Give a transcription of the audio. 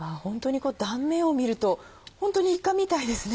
断面を見るとホントにイカみたいですね。